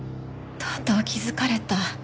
とうとう気づかれた。